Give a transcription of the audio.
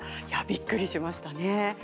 びっくりしましたね。